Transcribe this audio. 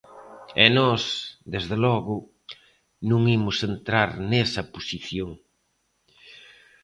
E nós, desde logo, non imos entrar nesa posición.